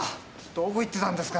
どこ行ってたんですか？